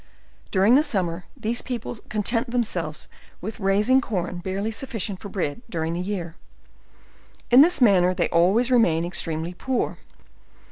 During the summer these people content them selves with raising corn barely sufficient for bread during tho year. In this manner they always remain extremely poor.